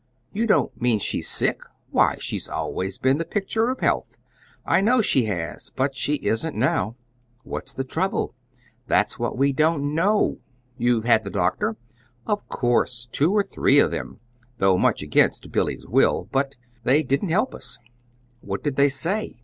You don't mean she's sick? Why, she's always been the picture of health!" "I know she has; but she isn't now." "What's the trouble?" "That's what we don't know." "You've had the doctor?" "Of course; two or three of them though much against Billy's will. But they didn't help us." "What did they say?"